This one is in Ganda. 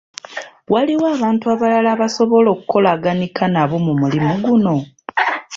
Waliwo abantu abalala abasobola okukolaganika nabo mu mulimu guno?